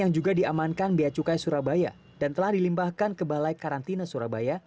yang juga diamankan bia cukai surabaya dan telah dilimbahkan ke balai karantina surabaya